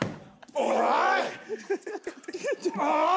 おい！